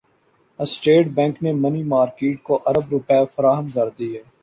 state bank نےمنی market کو ارب روپے فراہم کردیے